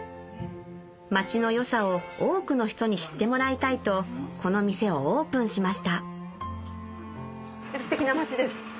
町の良さを多くの人に知ってもらいたいとこの店をオープンしましたステキな町ですか？